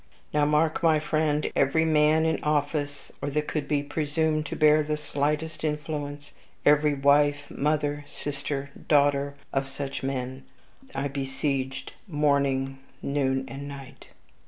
Now mark, my friend. Every man in office, or that could be presumed to bear the slightest influence, every wife, mother, sister, daughter of such men, I besieged morning, noon, and night.